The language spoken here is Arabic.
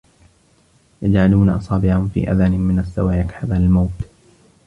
يَجْعَلُونَ أَصَابِعَهُمْ فِي آذَانِهِمْ مِنَ الصَّوَاعِقِ حَذَرَ الْمَوْتِ